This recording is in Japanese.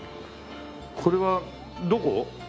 これはどこ？